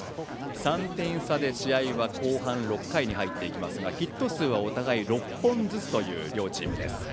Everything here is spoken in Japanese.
３点差で試合は後半６回に入っていきますがヒット数はお互い６本ずつという両チーム。